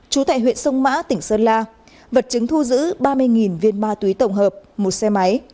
chú tại huyện sông mã tỉnh sơn la vật chứng thu giữ ba mươi viên ma túy tổng hợp một xe máy